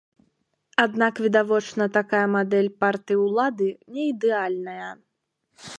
Аднак, відавочна, такая мадэль партыі ўлады не ідэальная.